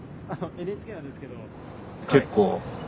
ＮＨＫなんですけど。